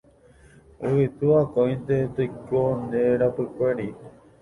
Yvytu akóinte toiko nde rapykuéri